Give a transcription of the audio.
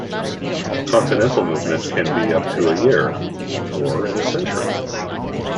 Continental movement can be up to a year, or in a century.